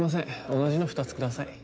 同じの２つください